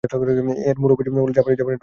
এর মূল অফিস জাপানের টোকিও শহরেও আছে।